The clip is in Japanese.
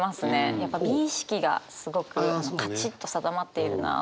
やっぱ美意識がすごくカチッと定まっているなと思って。